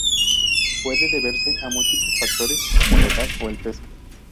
Puede deberse a múltiples factores, como la edad o el peso.